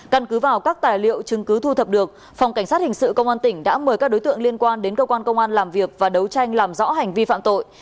căn cứ vào các tài liệu chứng cứ thu thập được phòng cảnh sát hình sự công an tỉnh đã mời các đối tượng liên quan đến cơ quan công an làm việc và đấu tranh làm rõ hành vi phạm tội